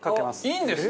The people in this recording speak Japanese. いいんですね？